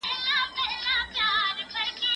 هغه وويل چي بوټونه پاک ساتل مهم دي